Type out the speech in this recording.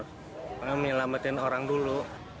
karena menyelamatin orang dulu